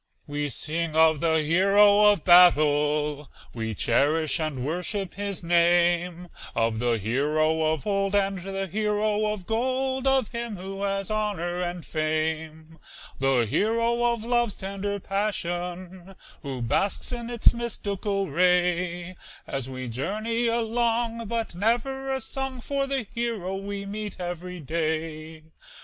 We sing of the hero of battle, We cherish and worship his name; Of the hero of old, and the hero of gold, Of him who has honor and fame. The hero of love's tender passion, Who basks in its mystical ray, As we journey along, but never a song For the hero we meet every day.